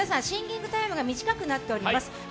シンキングタイムが短くなっております。